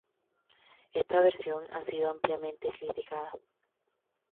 Esta versión ha sido ampliamente criticada.